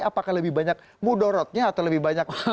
apakah lebih banyak mudorotnya atau lebih banyak